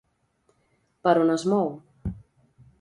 Per on es mou?